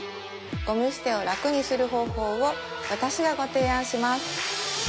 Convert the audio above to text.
ゴミ捨てを楽にする方法を私がご提案します